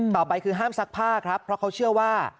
ต่อไปคือห้ามซักผ้าครับเพราะเขาเชื่อว่า